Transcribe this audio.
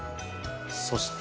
そして。